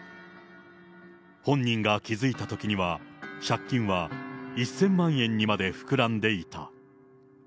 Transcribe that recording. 本人が気付いたときには借金は１０００万円にまで膨らんでいた。